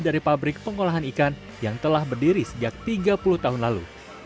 dari pabrik pengolahan ikan yang telah berdiri sejak tiga puluh tahun lalu